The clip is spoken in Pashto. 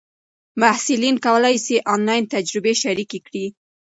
محصلین کولای سي آنلاین تجربې شریکې کړي.